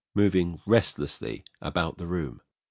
[Moving restlessly about the room.